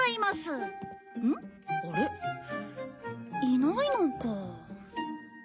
いないのか。